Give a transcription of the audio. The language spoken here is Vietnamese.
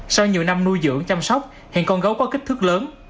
sau nhiều năm nuôi dưỡng chăm sóc hiện con gấu có kích thước lớn